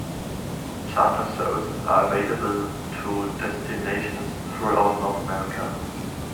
Charter services are available to destinations throughout North America.